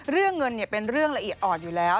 เรื่องเงินเป็นเรื่องละเอียดอ่อนอยู่แล้ว